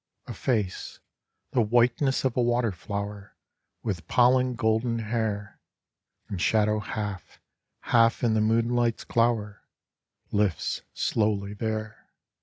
A face, the whiteness of a water flower, With pollen golden hair, In shadow half, half in the moonlight's glower, Lifts slowly there.